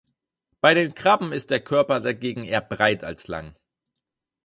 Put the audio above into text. Bei den Krabben ist der Körper dagegen eher breit als lang.